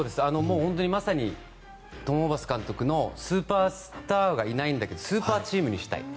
まさにトム・ホーバス監督のスーパースターがいないんだけどスーパーチームにしたいと。